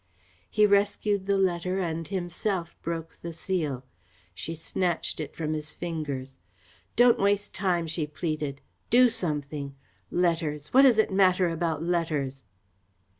He rescued the letter and himself broke the seal. She snatched it from his fingers. "Don't waste time," she pleaded. "Do something! Letters! What does it matter about letters?"